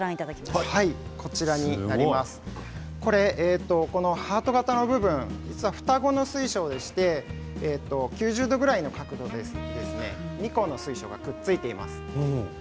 こちらハート形の部分実は双子の水晶でして９０度ぐらいの角度で２個の水晶がくっついています。